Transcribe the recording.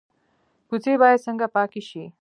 کوڅې باید څنګه پاکې شي؟